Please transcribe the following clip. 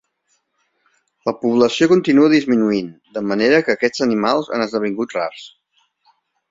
La població continua disminuint, de manera que aquests animals han esdevingut rars.